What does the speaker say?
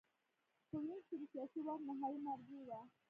په وینز کې د سیاسي واک نهايي مرجع وه